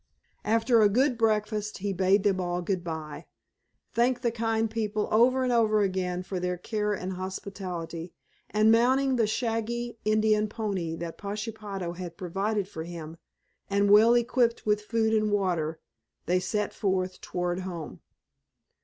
After a good breakfast he bade them all good bye, thanked the kind people over and over again for their care and hospitality, and mounting the shaggy Indian pony that Pashepaho had provided for him, and well equipped with food and water, they set forth toward home.